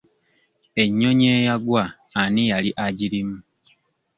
Ennyonyi eyagwa ani yali agirimu?